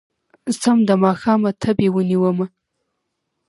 سم د ماښامه تبې ونيومه